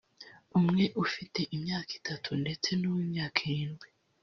umwe ufite imyaka itatu ndetse n’uw’imyaka irindwi